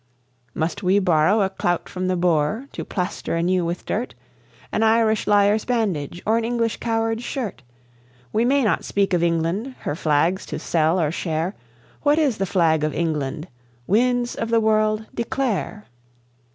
Must we borrow a clout from the Boer to plaster anew with dirt? An Irish liar's bandage, or an English coward's shirt? We may not speak of England; her Flag's to sell or share. What is the Flag of England? Winds of the World, declare!